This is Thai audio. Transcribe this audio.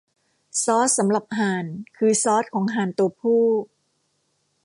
ซอสสำหรับห่านคือซอสของห่านตัวผู้